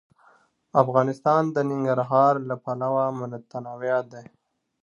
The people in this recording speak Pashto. افغانستان د ننګرهار له پلوه متنوع دی.